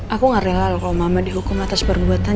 aku gak rela loh kalau mama dihukum atas perbuatan